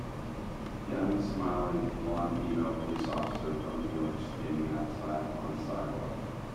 Young, smiling, blond female police officer from New York standing outside on a sidewalk.